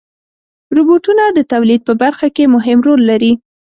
روبوټونه د تولید په برخه کې مهم رول لري.